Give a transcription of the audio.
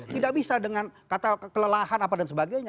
tidak bisa dengan kata kelelahan apa dan sebagainya